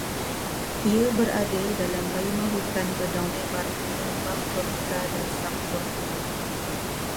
Ia berada dalam bioma hutan berdaun lebar lembap tropika dan subtropika